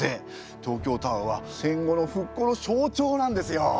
東京タワーは戦後の復興の象徴なんですよ。